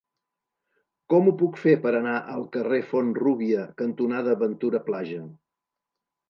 Com ho puc fer per anar al carrer Font-rúbia cantonada Ventura Plaja?